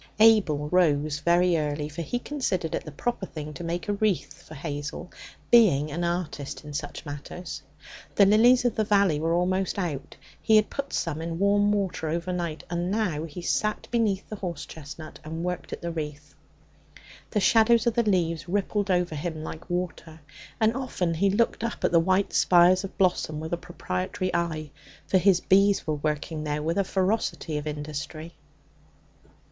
Abel rose very early, for he considered it the proper thing to make a wreath for Hazel, being an artist in such matters. The lilies of the valley were almost out; he had put some in warm water overnight, and now he sat beneath the horse chestnut and worked at the wreath. The shadows of the leaves rippled over him like water, and often he looked up at the white spires of bloom with a proprietary eye, for his bees were working there with a ferocity of industry.